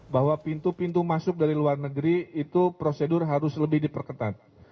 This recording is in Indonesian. bahwa pintu pintu masuk dari luar negeri itu prosedur harus lebih diperketat